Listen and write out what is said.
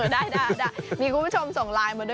ได้มีคุณผู้ชมส่งไลน์มาด้วย